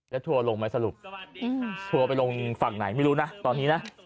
แล้วทัวร์ลงไหมสรุปทัวร์ไปลงฝั่งไหนไม่รู้นะตอนนี้นะ